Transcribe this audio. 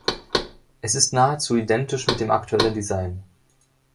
Es ist nahezu identisch mit dem aktuellen Design.